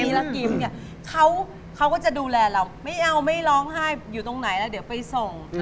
แล้วกิมเนี่ยเขาก็จะดูแลเราไม่เอาไม่ร้องไห้อยู่ตรงไหนแล้วเดี๋ยวไปส่ง